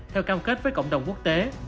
theo cam kết với cộng đồng quốc tế